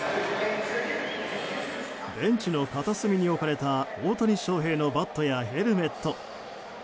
ベンチの片隅に置かれた大谷翔平のバットやヘルメット。